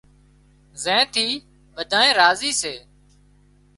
زين ٿي ٻڌانئين راضي سي